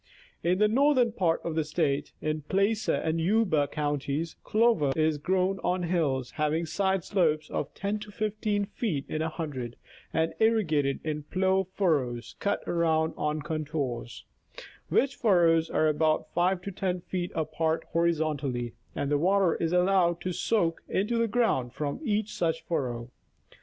In the northern part of the State, in Placer and Yuba counties, clover is grown on hills having side slopes of 10 to 15 feet in a hundred, and irrigated in plough furrows cut around on contours — which furrows are about 5 to 10 feet apart horizontally — and the water is allowed to soak into the ground from each such furrow.